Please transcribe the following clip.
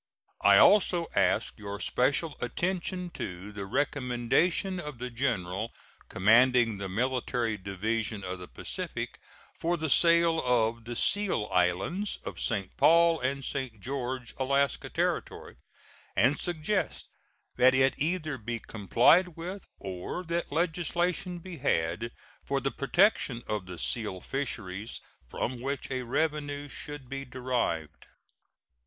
I also ask your special attention to the recommendation of the general commanding the Military Division of the Pacific for the sale of the seal islands of St. Paul and St. George, Alaska Territory, and suggest that it either be complied with or that legislation be had for the protection of the seal fisheries from which a revenue should be derived.